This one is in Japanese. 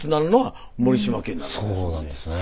そうなんですね。